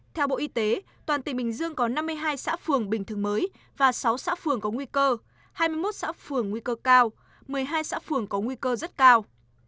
theo bộ y tế toàn tỉnh bình dương có năm mươi hai xã phường bình thường mới và sáu xã phường có nguy cơ hai mươi một xã phường nguy cơ cao một mươi hai xã phường có nguy cơ rất cao